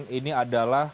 itu sudah kita dengar